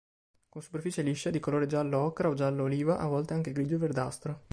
Con superficie liscia, di colore giallo ocra o giallo-oliva, a volte anche grigio-verdastro.